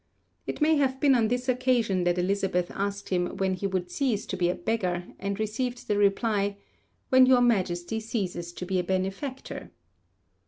It may have been on this occasion that Elizabeth asked him when he would cease to be a beggar, and received the reply, 'When your Majesty ceases to be a benefactor!'